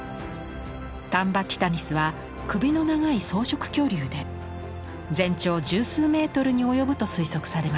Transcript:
タンバティタニスは首の長い草食恐竜で全長十数メートルに及ぶと推測されます。